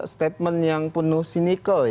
statement yang penuh sinikal